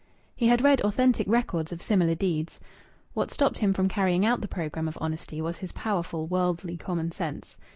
He had read authentic records of similar deeds. What stopped him from carrying out the programme of honesty was his powerful worldly common sense.